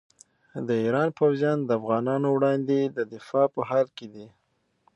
د ایران پوځیان د افغانانو وړاندې د دفاع په حال کې دي.